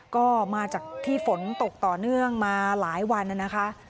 ก็มาจากที่ฝนตกต่อเนื่องมาหลายวันนะคะ